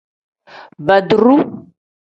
Baadiru.